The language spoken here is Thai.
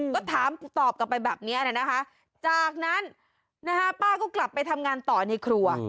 ก็ถามตอบกลับไปแบบนี้นะคะจากนั้นป้าก็กลับไปทำงานต่อในครัว